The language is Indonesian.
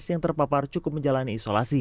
yang terpapar cukup menjalani isolasi